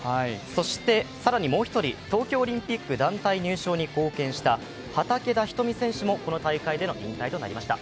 そして、更にもう一人、東京オリンピック団体入賞に貢献した畠田瞳選手もこの大会での引退となりました。